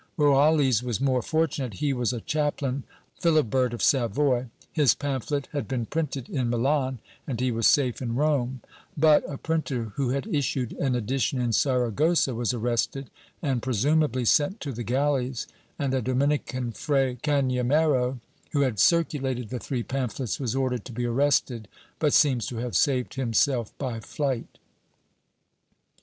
Roales was more fortunate; he was a chaplain of Phihbert of Savoy; his pamphlet had been printed in Milan and he was safe in Rome, but a printer who had issued an edition in Saragossa was arrested and presumably sent to the galleys, and a Dominican Fray Cahamero, who had circulated the three pamphlets, was ordered to be arrested but seems to have saved himself by flight.